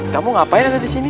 kamu ngapain ada disini